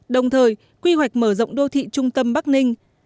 đồng thời quy hoạch mở rộng đô thị trung tâm bắc ninh